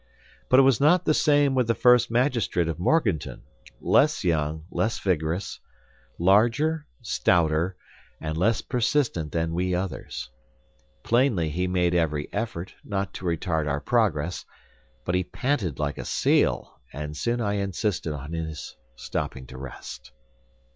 But it was not the same with the first magistrate of Morganton, less young, less vigorous, larger, stouter, and less persistent than we others. Plainly he made every effort, not to retard our progress, but he panted like a seal, and soon I insisted on his stopping to rest.